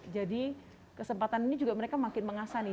jadi kesempatan ini juga mereka makin mengasah nih